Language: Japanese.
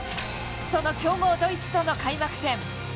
その強豪ドイツとの開幕戦。